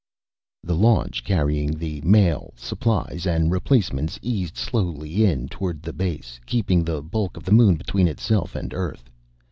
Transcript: _ The launch carrying the mail, supplies and replacements eased slowly in toward the base, keeping the bulk of the Moon between itself and Earth.